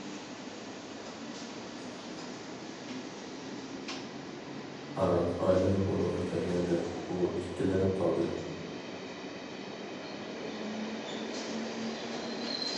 ھاراق ئايلىنىپ ئۇنىڭغا كەلگەندە ئۇ ئىككىلىنىپ قالدى.